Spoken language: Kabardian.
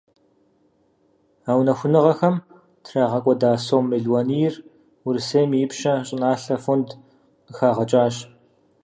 А ухуэныгъэхэм трагъэкӏуэда сом мелуанийр Урысейм и Ипщэ щӏыналъэ фондым къыхагъэкӏащ.